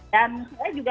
dan saya juga